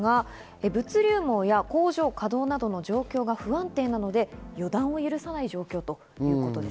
物流網や工場稼働などの状況が不安定なので、予断を許さない状況ということです。